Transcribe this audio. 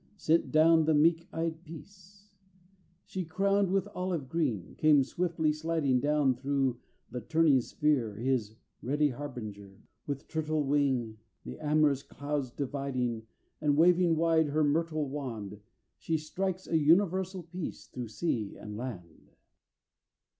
Sent down the meek eyed Peace: She, crowned with olive green, came softly sliding Down through the turning sphere, His ready Harbinger, With turtle wing the amorous clouds dividing; And, waving wide her myrtle wand, She strikes a universal peace through sea and land.